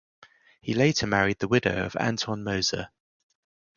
He later married the widow of Anton Moser.